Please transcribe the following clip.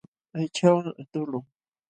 Aychawan aqtuqlun.